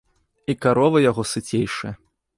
І карова яго сыцейшая.